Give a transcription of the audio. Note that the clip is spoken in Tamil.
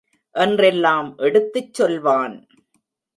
என்றெல்லாம் எடுத்துச் சொல்வான்.